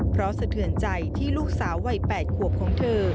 เพราะสะเทือนใจที่ลูกสาววัย๘ขวบของเธอ